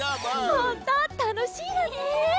ほんとうたのしいわね。